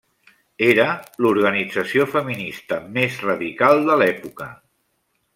Era l'organització feminista més radical de l'època.